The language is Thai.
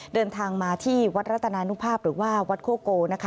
เดินทางมาที่วัดรัตนานุภาพหรือว่าวัดโคโกนะคะ